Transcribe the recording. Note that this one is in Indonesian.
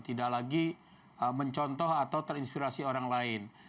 tidak lagi mencontoh atau terinspirasi orang lain